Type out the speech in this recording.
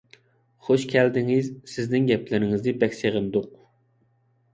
خۇش كەلدىڭىز! سىزنىڭ گەپلىرىڭىزنى بەك سېغىندۇق!